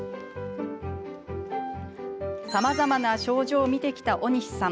さまざまな症状を診てきた尾西さん。